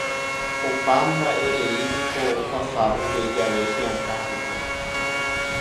Opa mba'erei niko ohasa upe jave che akã rupi.